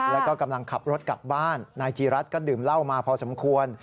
แล้วก็กำลังขับรถกลับบ้านนายจีรัฐก็ดื่มเหล้ามาพอสมควร